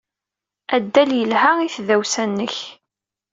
Addal yelha i tdawsa-nnek.